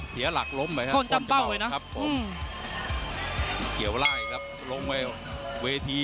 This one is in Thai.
เครื่องเริ่มติดแล้วครับตอนนี้